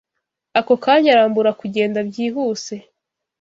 ako kanya arambura kugenda byihuse